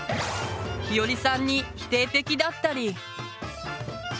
ひよりさんに否定的だったり。